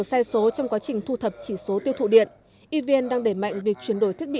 sai số trong quá trình thu thập chỉ số tiêu thụ điện evn đang đẩy mạnh việc chuyển đổi thiết bị